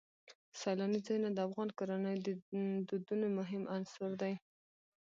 سیلانی ځایونه د افغان کورنیو د دودونو مهم عنصر دی.